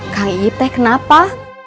kang ipeh kenapa